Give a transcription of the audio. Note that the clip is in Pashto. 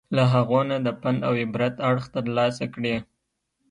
له هغو نه د پند او عبرت اړخ ترلاسه کړي.